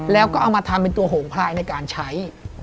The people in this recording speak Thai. แล้วก็เอามาทำเป็นตัวโหงพลายในการใช้